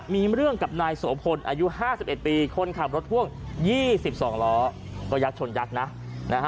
มีเรื่องกับนายโสพลอายุ๕๑ปีคนขับรถพ่วง๒๒ล้อก็ยักษ์ชนยักษ์นะนะฮะ